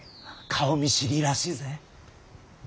顔見知りらしいぜ。